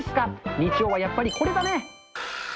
日曜はやっぱりこれだね。